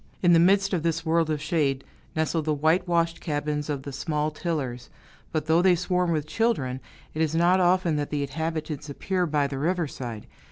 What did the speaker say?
In the midst of this world of shade, nestle the whitewashed cabins of the small tillers; but though they swarm with children, it is not often that the inhabitants appear by the riverside.